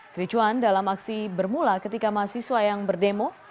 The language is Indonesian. kericuan dalam aksi bermula ketika mahasiswa yang berdemo